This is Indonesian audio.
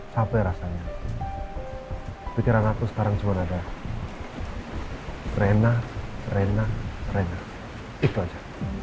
sampai rasanya pikiran aku sekarang cuman ada rena rena rena itu aja